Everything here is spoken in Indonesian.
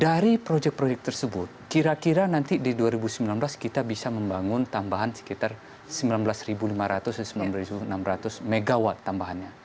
dari proyek proyek tersebut kira kira nanti di dua ribu sembilan belas kita bisa membangun tambahan sekitar sembilan belas lima ratus dan sembilan belas enam ratus mw tambahannya